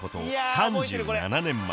３７年前